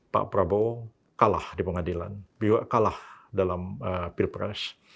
pak prabowo kalah di pengadilan beliau kalah dalam pilpres